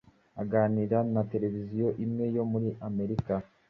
Aganira na televiziyo imwe yo muri Amerika